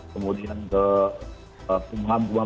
kemudian ke pemaham pemaham